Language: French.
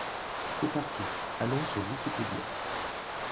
C'est parti, allons sur wikipedia.